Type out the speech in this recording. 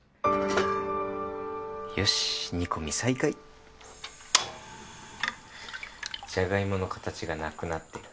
「よし煮込み再開」「ジャガイモの形がなくなってる。